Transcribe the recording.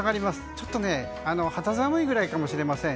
ちょっと肌寒いくらいかもしれません。